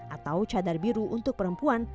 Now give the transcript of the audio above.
atau cadar biru untuk perempuan